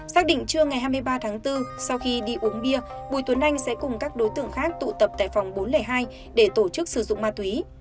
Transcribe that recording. xác định trưa ngày hai mươi ba tháng bốn sau khi đi uống bia bùi tuấn anh sẽ cùng các đối tượng khác tụ tập tại phòng bốn trăm linh hai để tổ chức sử dụng ma túy